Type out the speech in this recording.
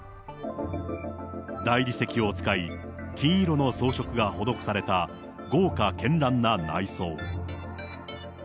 大理石を使い、金色の装飾が施された豪華けんらんな内装。